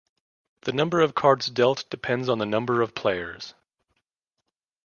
The number of cards dealt depends on the number of players.